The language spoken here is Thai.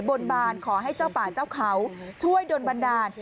บนบานขอให้เจ้าป่าเจ้าเขาช่วยโดนบันดาล